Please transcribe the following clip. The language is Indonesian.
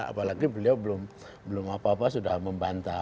apalagi beliau belum apa apa sudah membantah